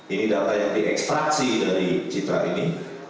ini data yang diekstraksi dari citra ini